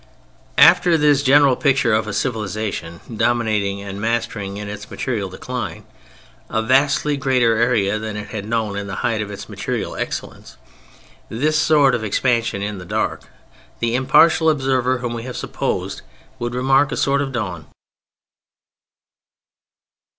After this general picture of a civilization dominating and mastering in its material decline a vastly greater area than it had known in the height of its material excellence—this sort of expansion in the dark—the impartial observer, whom we have supposed, would remark a sort of dawn.